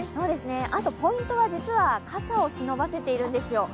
あとポイントは実は傘をしのばせているんですよ。